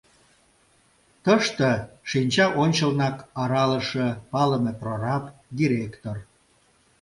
Тыште шинча ончылнак аралыше, палыме прораб, директор.